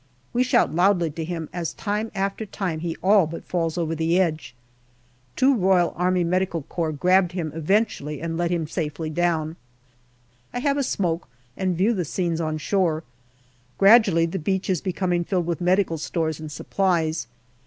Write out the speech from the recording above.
We shout loudly to him as time after time he all but falls over the edge. Two R.A.M.C. grabbed him eventually and led him safely down. I have a smoke, and view the scenes on shore. Gradually the beach is becoming filled with medical stores and supplies.